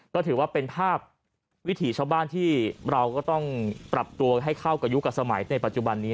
ก็ถือว่าเป็นภาพวิถีชาวบ้านที่เราก็ต้องปรับตัวให้เข้ากับยุคกับสมัยในปัจจุบันนี้